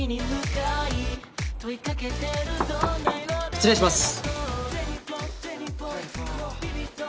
失礼します。